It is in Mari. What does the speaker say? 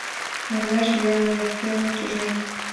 Манаш веле вет — пел тӱжем!